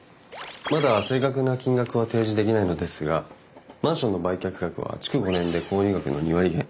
まだ正確な金額は提示できないのですがマンションの売却額は築５年で購入額の２割減。